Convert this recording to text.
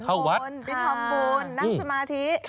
เข้าวัดไปทำบุญนั่งสมาธิ